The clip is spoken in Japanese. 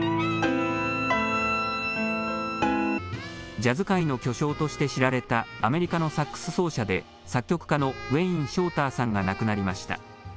ジャズ界の巨匠として知られた、アメリカのサックス奏者で、作曲家のウェイン・ショーターさんが亡くなりました。